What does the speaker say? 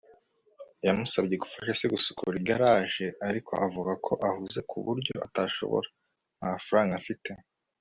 yamusabye gufasha se gusukura igaraje, ariko avuga ko ahuze ku buryo atashobora. nta faranga mfite